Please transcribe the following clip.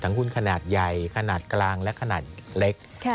หุ้นขนาดใหญ่ขนาดกลางและขนาดเล็ก